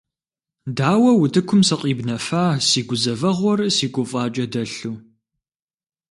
Дауэ утыкум сыкъибнэфа си гузэвэгъуэр си гуфӀакӀэ дэлъу?